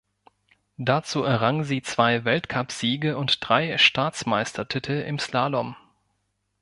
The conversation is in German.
Dazu errang sie zwei Weltcupsiege und drei Staatsmeistertitel im Slalom.